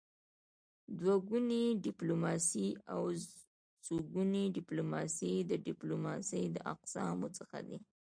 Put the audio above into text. دوه ګوني ډيپلوماسي او څوګوني ډيپلوماسي د ډيپلوماسی د اقسامو څخه دي.